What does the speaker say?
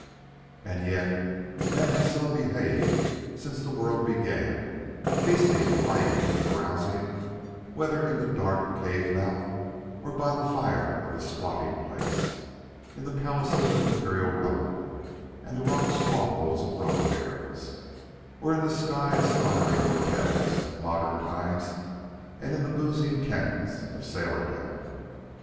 And yet, men have so behaved since the world began, feasting, fighting, and carousing, whether in the dark cave mouth or by the fire of the squatting place, in the palaces of imperial Rome and the rock strongholds of robber barons, or in the sky aspiring hotels of modern times and in the boozing dens of sailor town.